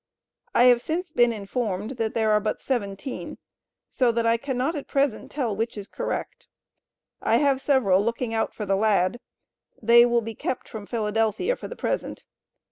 I have since been informed there are but 17 so that I cannot at present tell which is correct. I have several looking out for the lad; they will be kept from Phila. for the present.